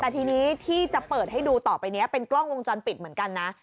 แต่ทีนี้ที่จะเปิดให้ดูต่อไปนี้เป็นกล้องวงจรปิดเหมือนกันนะ